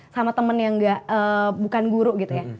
sama temen yang bukan guru gitu ya